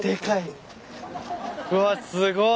うわすごい。